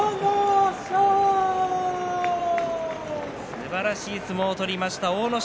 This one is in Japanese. すばらしい相撲を取りました阿武咲。